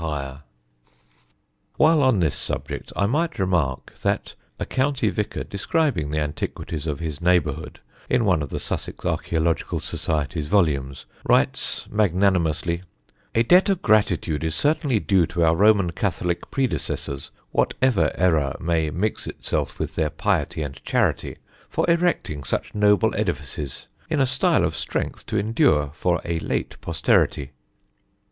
[Sidenote: CLOSED CHURCHES] While on this subject I might remark that a county vicar describing the antiquities of his neighbourhood in one of the Sussex Archæological Society's volumes, writes magnanimously: "A debt of gratitude is certainly due to our Roman Catholic predecessors (whatever error might mix itself with their piety and charity) for erecting such noble edifices, in a style of strength to endure for a late posterity."